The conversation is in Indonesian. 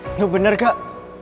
enggak benar kak